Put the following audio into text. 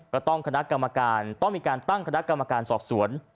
ก็ต้องคณะกรรมการต้องมีการตั้งคณะกรรมการสอบสวน